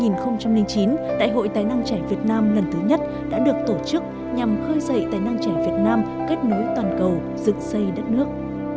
năm hai nghìn chín đại hội tài năng trẻ việt nam lần thứ nhất đã được tổ chức nhằm khơi dậy tài năng trẻ việt nam kết nối toàn cầu dựng xây đất nước